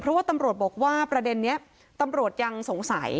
เพราะว่าตำรวจบอกว่าประเด็นนี้ตำรวจยังสงสัย